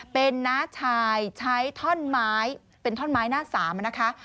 เป็นน้าชายใช้ท่อนไม้เป็นท่อนไม้หน้าสามนะคะ